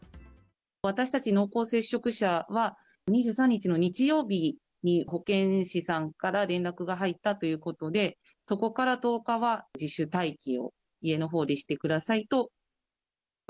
私たち濃厚接触者は、２３日の日曜日に保健師さんから連絡が入ったということで、そこから１０日は自主待機を家のほうでしてくださいと。